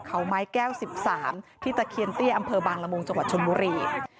เขาไม้แก้ว๑๓ที่ตะเคียนเตี้ยอำเภอบางละมุงจังหวัดชนบุรี